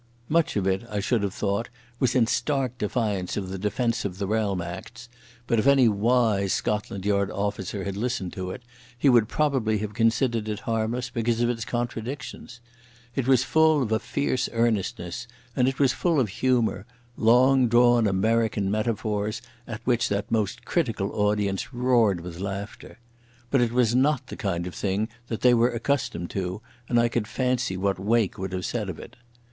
Much of it, I should have thought, was in stark defiance of the Defence of the Realm Acts, but if any wise Scotland Yard officer had listened to it he would probably have considered it harmless because of its contradictions. It was full of a fierce earnestness, and it was full of humour—long drawn American metaphors at which that most critical audience roared with laughter. But it was not the kind of thing that they were accustomed to, and I could fancy what Wake would have said of it.